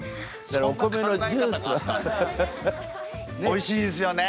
おいしいですよね。